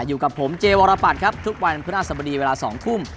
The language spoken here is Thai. อยู่กับผมเจวรปัตรครับทุกวันพฤหัสบดีเวลา๒ทุ่ม